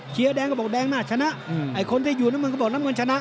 แดงก็บอกแดงน่าชนะไอ้คนที่อยู่น้ำเงินก็บอกน้ำเงินชนะ